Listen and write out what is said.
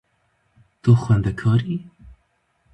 Tu xwendekar î?